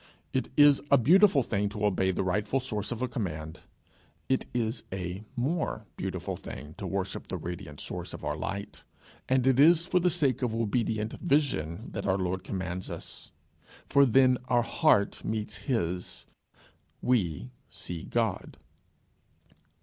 It is a beautiful thing to obey the rightful source of a command: it is a more beautiful thing to worship the radiant source of our light, and it is for the sake of obedient vision that our Lord commands us. For then our heart meets his: we see God.